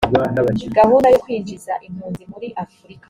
gahunda yo kwinjiza impunzi muri afurika